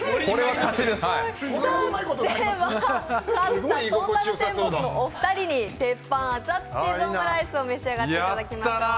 勝ったトータルテンボスのお二人に鉄板あつあつチーズオムライスを召し上がっていただきます。